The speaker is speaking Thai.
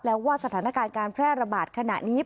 แล้วว่าสถานการณ์การแพร่ระบาดขณะนี้